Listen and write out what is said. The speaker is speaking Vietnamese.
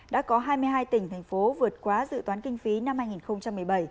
đã có hai mươi hai tỉnh thành phố vượt quá dự toán kinh phí năm hai nghìn một mươi bảy